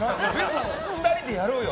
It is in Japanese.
２人でやろうよ。